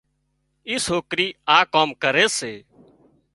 اي سوڪرِي آ ڪام ڪري سي